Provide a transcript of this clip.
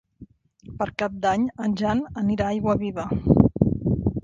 Per Cap d'Any en Jan anirà a Aiguaviva.